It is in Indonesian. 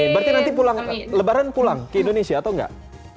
berarti nanti lebaran pulang ke indonesia atau enggak